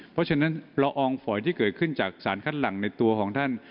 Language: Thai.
เพราะฉะนั้นละอองฝอยที่เกิดขึ้นจากสารคัดหลังในตัวของท่าน